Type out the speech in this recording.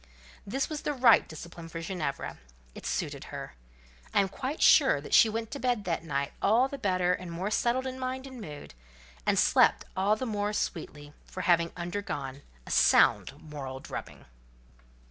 This was the right discipline for Ginevra; it suited her. I am quite sure she went to bed that night all the better and more settled in mind and mood, and slept all the more sweetly for having undergone a sound moral drubbing.